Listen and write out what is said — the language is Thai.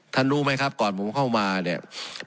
รู้ไหมครับก่อนผมเข้ามาเนี่ย